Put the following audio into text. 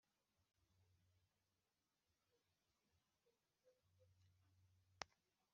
bafite ibikapu byarimo ibiribwa bari bavuye gufata ku kigo nderabuzima.